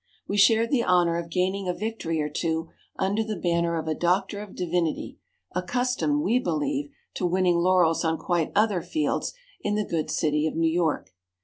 We shared the honor of gaining a victory or two under the banner of a doctor of divinity, accustomed, we believe, to winning laurels on quite other fields in the good city of New York.